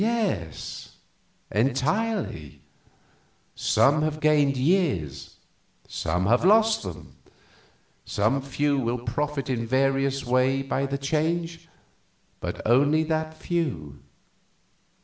"Yes, entirely. Some have gained years, some have lost them. Some few will profit in various ways by the change, but only that few."